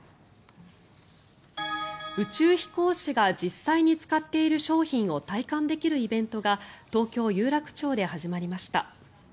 宇宙飛行士が実際に使っている商品を体感できるイベントが東京・有楽町で始まりました。